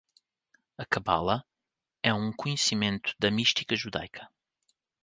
A Cabala é um conhecimento da mística judaica